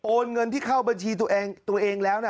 เงินที่เข้าบัญชีตัวเองแล้วนะ